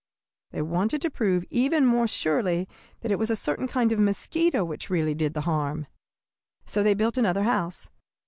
"They wanted to prove even more surely that it was a certain kind of mosquito which really did the harm. So they built another house.